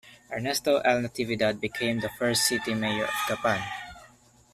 Ernesto L. Natividad became the first city mayor of Gapan.